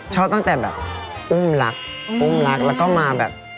ชอบตั้งแต่แบบอุ้มรักอุ้มรักแล้วก็มาแบบ